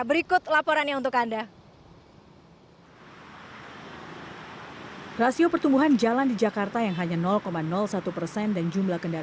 berikut laporannya untuk anda